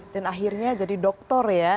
dan akhirnya jadi dokter ya